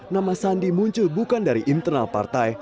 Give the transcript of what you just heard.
nama sandi muncul bukan dari internal partai